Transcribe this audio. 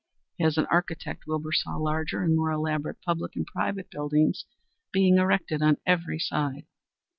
As an architect, Wilbur saw larger and more elaborate public and private buildings being erected on every side.